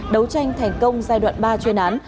đấu tranh thành công giai đoạn ba chuyên án